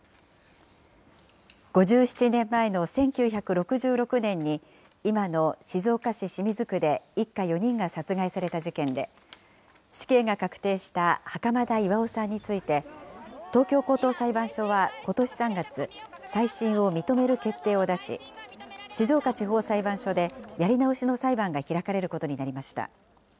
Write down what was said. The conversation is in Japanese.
５７年前の１９６６年に今の静岡市清水区で一家４人が殺害された事件で、死刑が確定した袴田巌さんについて、東京高等裁判所はことし３月、再審を認める決定を出し、静岡地方裁判所でやり直しの裁判が開かれることになりました。